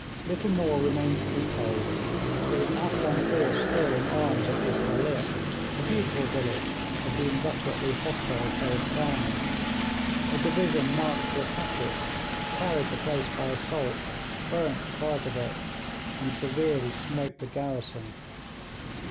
Little more remains to be told. There was an Afghan force still in arms at Istalif, a beautiful village of the inveterately hostile Kohistanees; a division marched to attack it, carried the place by assault, burnt part of it, and severely smote the garrison.